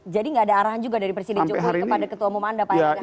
jadi gak ada arahan juga dari presiden jogja kepada ketua umum anda pak erlangga